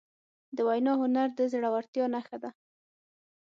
د وینا هنر د زړهورتیا نښه ده.